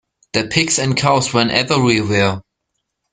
The pigs and cows ran everywhere.